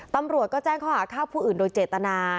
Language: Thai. ตำรวจก็แจ้งข้อหาฆ่าผู้อื่นโดยเจตนา